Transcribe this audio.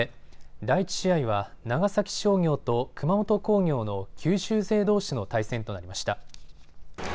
第１試合は長崎商業と熊本工業の九州勢どうしの対戦となりました。